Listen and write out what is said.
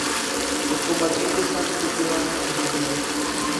Los combatientes han recogido armas conseguidas".